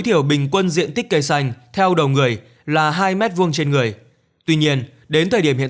thiểu bình quân diện tích cây xanh theo đầu người là hai m hai trên người tuy nhiên đến thời điểm hiện